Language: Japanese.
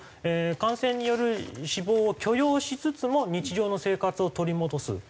感染による死亡を許容しつつも日常の生活を取り戻す。